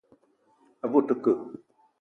A ve o te ke ?